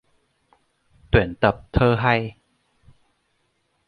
Tuyển tập thơ hay